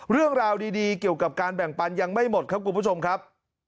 เรื่องราวดีเกี่ยวกับการแบ่งปันยังไม่หมดครับคุณผู้ชมครับ